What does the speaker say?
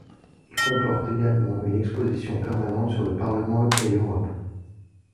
Il comporte également une exposition permanente sur le Parlement et l'Europe.